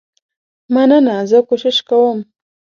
مننه زه کوشش کوم.